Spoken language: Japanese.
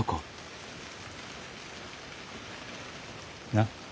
なっ？